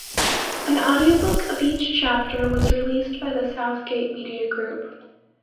An audiobook of each chapter was released by the Southgate Media Group.